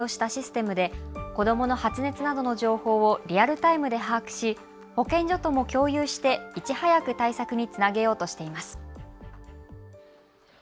東京墨田区はＩＣＴを活用したシステムで子どもの発熱などの情報をリアルタイムで把握し保健所とも共有していち早く対策につなげようとしています。